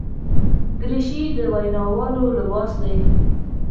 دریشي د ویناوالو لباس دی.